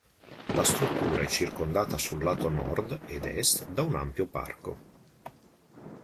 La struttura è circondata sul lato nord ed est da un ampio parco.